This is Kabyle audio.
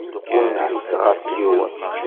Ur nḥiseɣ ɣef yiwen!